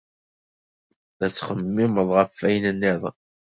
La tettxemmimeḍ ɣef wayen niḍen.